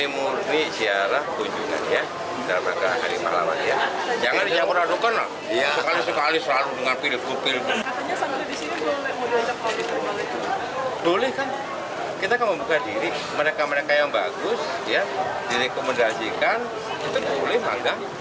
mereka mereka yang bagus direkomendasikan itu boleh magang